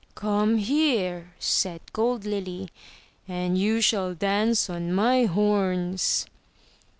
"Come here," said Gold Lily, "and you shall dance on my horns!"